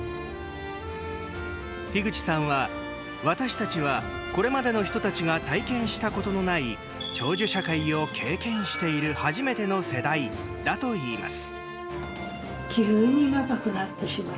樋口さんは、私たちはこれまでの人たちが体験したことのない長寿社会を経験している初めての世代だといいます。